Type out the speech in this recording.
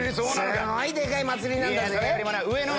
すごいでかい祭りなんだぜ。